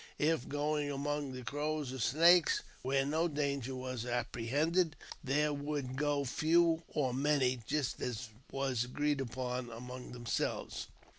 If going among the Crows or Snakes, where no danger was apprehended, there would go few or many, just as was agreed upon among themselves.